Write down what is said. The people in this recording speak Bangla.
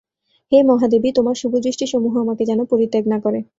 হে মহাদেবী, তোমার শুভদৃষ্টিসমূহ আমাকে যেন পরিত্যাগ না করে।